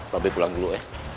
babe pulang dulu ya